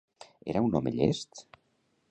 Era un home llest?